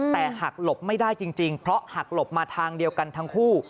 แต่หักหลบไม่ได้จริงเพราะหักหลบมาทางเดียวกันทั้งคู่